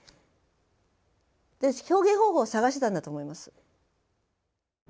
表現方法を探してたんだと思います。